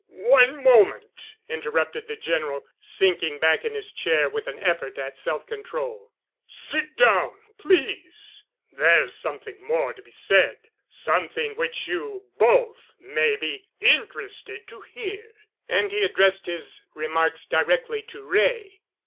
"One moment," interrupted the General, sinking back in his chair with an effort at self control. "Sit down, please. There's something more to be said—something which you both may be interested to hear." And he addressed his remarks directly to Wray.